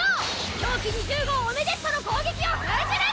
凶鬼２０号オメデットの攻撃を封じる！